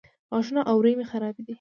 غاښونه او اورۍ مې خرابې دي